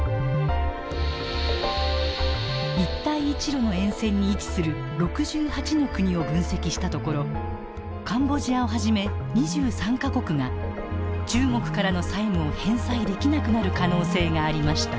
一帯一路の沿線に位置する６８の国を分析したところカンボジアをはじめ２３か国が中国からの債務を返済できなくなる可能性がありました。